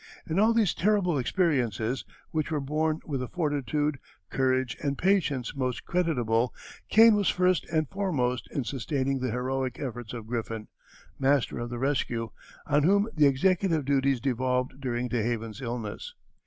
In all these terrible experiences, which were borne with a fortitude, courage, and patience most creditable, Kane was first and foremost in sustaining the heroic efforts of Griffin, master of the Rescue, on whom the executive duties devolved during DeHaven's illness.